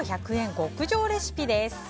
極上レシピです。